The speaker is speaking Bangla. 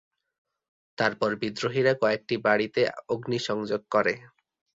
তারপর বিদ্রোহীরা কয়েকটি বাড়িতে অগ্নিসংযোগ করে।